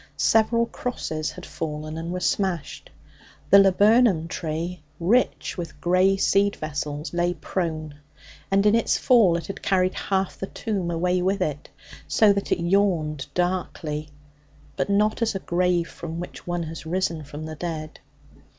Several crosses had fallen, and were smashed; the laburnum tree, rich with grey seed vessels, lay prone, and in its fall it had carried half the tomb away with it, so that it yawned darkly, but not as a grave from which one has risen from the dead.